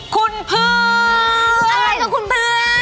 คุณพึ่งอะไรกับคุณเพื่อน